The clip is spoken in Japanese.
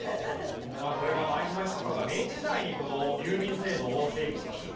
これが前島密が明治時代にこの郵便制度を整備したという事で。